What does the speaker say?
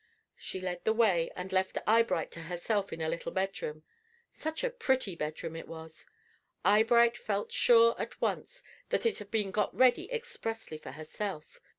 She led the way, and left Eyebright to herself in a little bedroom. Such a pretty bedroom it was! Eyebright felt sure at once that it had been got ready expressly for herself.